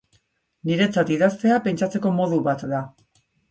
Niretzat idaztea, pentsatzeko modu bat da.